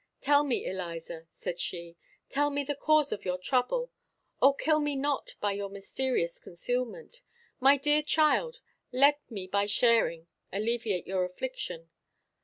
"Tell me, Eliza," said she, "tell me the cause of your trouble. O, kill me not by your mysterious concealment. My dear child, let me by sharing alleviate your affliction."